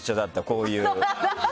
こういう。